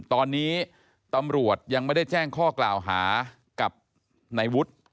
ตอนนี้ตำรวจยังไม่ได้แจ้งข้อกล่าวหากับนายวุฒิ